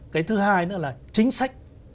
cái thứ hai nữa là chính sách